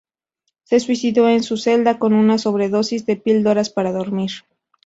Se suicidó en su celda, con una sobredosis de píldoras para dormir.